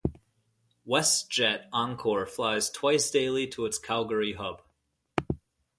WestJet Encore flies twice daily to its Calgary hub.